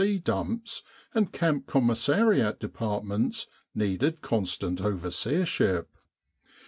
C. dumps and camp commissariat departments, needed constant overseership.